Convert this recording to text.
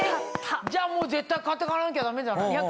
じゃあ絶対買っておかなきゃダメじゃない！